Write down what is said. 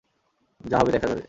যা হবে দেখা যাবে!